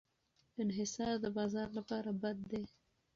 انحصار د بازار لپاره بد دی.